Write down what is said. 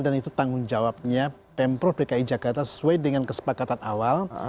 dan itu tanggung jawabnya pemprov dki jakarta sesuai dengan kesepakatan awal